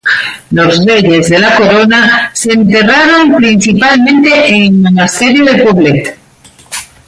Los reyes de la Corona se enterraron principalmente en el monasterio de Poblet.